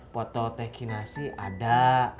foto teee kinasi ada